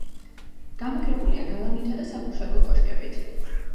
გამაგრებულია გალავნითა და საგუშაგო კოშკებით.